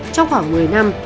trong khoảng một mươi năm